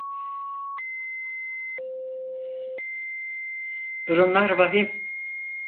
Durumlar vahim